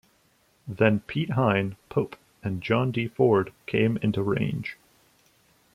Then "Piet Hein", "Pope" and "John D. Ford" came into range.